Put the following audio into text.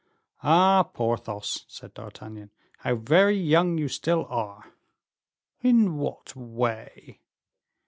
"Ah! Porthos," said D'Artagnan, "how very young you still are." "In what way?"